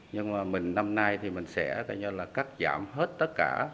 nhưng mà mình năm nay thì mình sẽ cắt giảm hết tất cả